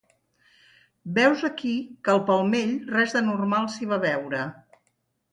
Veus aquí que al palmell res d'anormal s'hi va veure.